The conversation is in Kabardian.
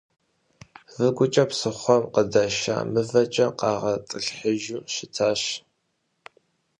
Выгукӏэ псыхъуэм къыдаша мывэкӏэ къагъэтӏылъыхьыжу щытащ.